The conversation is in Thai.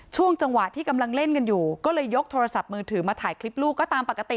ช่วงจังหวะที่กำลังเล่นกันอยู่ก็เลยยกโทรศัพท์มือถือมาถ่ายคลิปลูกก็ตามปกติ